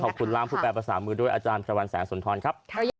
ตรงนี้ขอบคุณล่างผู้แปลประสามือด้วยอาจารย์ชวันแสงสนทรครับ